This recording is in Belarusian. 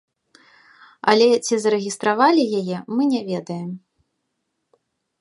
Але ці зарэгістравалі яе, мы не ведаем.